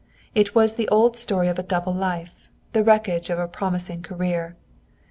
It was the old story of a double life, the wreckage of a promising career.